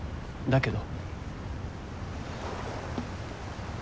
だけど。